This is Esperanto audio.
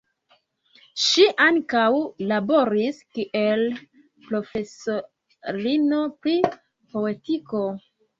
Ŝi ankaŭ laboris kiel profesorino pri poetiko.